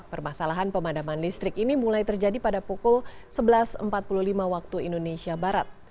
permasalahan pemadaman listrik ini mulai terjadi pada pukul sebelas empat puluh lima waktu indonesia barat